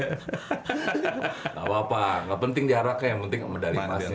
gak apa apa gak penting jaraknya yang penting medali masnya